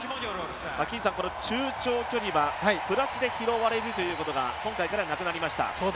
この中長距離はプラスで拾われるということが今回からなくなりました。